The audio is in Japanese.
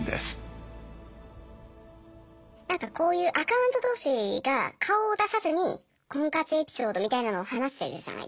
何かこういうアカウント同士が顔を出さずに婚活エピソードみたいなのを話してるじゃないですか。